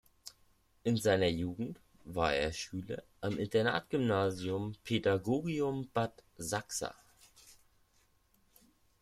In seiner Jugend war er Schüler am Internatsgymnasium Pädagogium Bad Sachsa.